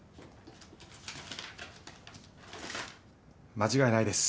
間違いないです。